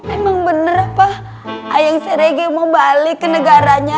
emang bener apa ayang serege mau balik ke negaranya